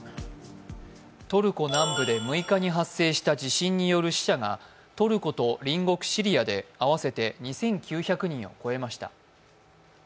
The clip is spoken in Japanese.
トルコ南部で６日に発生した地震による死者がトルコと隣国シリアで合わせて２９００人を超えました。